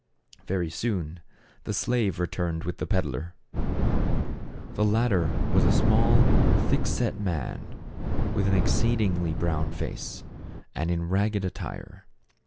Very soon the slave returned with the peddler. The latter was a small, thick set man, with an ex ceedingly brown face, and in ragged attire.